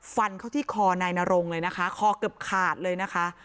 ฟันเข้าที่คอนายนรงเลยนะคะคอเกือบขาดเลยนะคะ